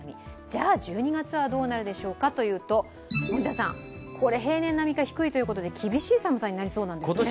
じゃあ１２月はどうなるでしょうかというと、森田さん、これ、平年並みか低いということで厳しい寒さになりそうなんですね。